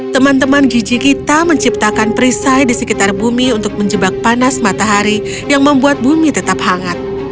teman teman giji kita menciptakan perisai di sekitar bumi untuk menjebak panas matahari yang membuat bumi tetap hangat